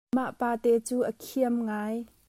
Mah pate cu a khiam ngai.